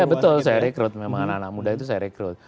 ya betul saya rekrut memang anak anak muda itu saya rekrut